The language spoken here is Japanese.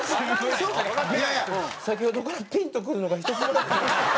先ほどからピンとくるのが１つもなくて。